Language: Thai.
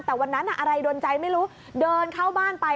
แต่วันนั้นอะไรโดนใจไม่รู้เดินเข้าบ้านไป